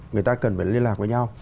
người ta cần phải liên lạc với nhau